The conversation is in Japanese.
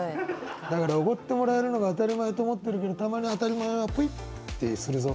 だからおごってもらえるのが当たり前と思ってるけどたまに当たり前はプイッてするぞ。